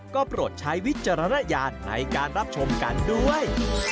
ก็โปรดใช้วิจารณญาณในการรับชมกันด้วย